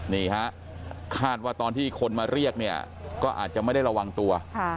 นี่ฮะคาดว่าตอนที่คนมาเรียกเนี่ยก็อาจจะไม่ได้ระวังตัว